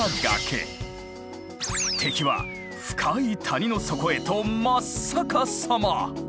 敵は深い谷の底へと真っ逆さま！